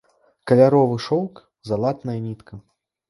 Каляровы шоўк, залатная нітка.